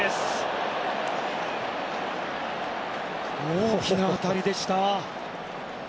大きな当たりでした。